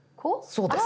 そうです。